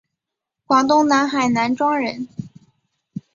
广东南海南庄人。